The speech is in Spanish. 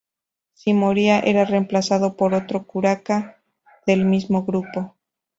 Si moría, era reemplazado por otro curaca del mismo grupo.